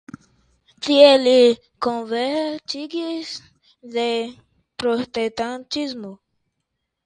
Tie li konvertiĝis je protestantismo.